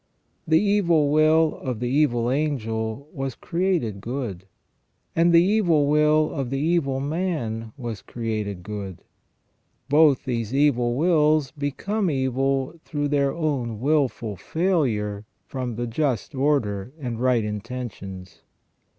The evil will of the evil angel was created good, and the evil will of the evil man was created good. Both these evil wills become evil through their own wilful failure from just order and right intentions.